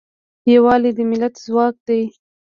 یوالی د ملت ځواک دی.